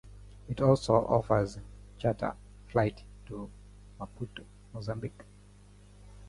It also offers charter flights to Maputo, Mozambique.